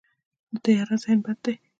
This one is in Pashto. تیاره ذهن بد دی.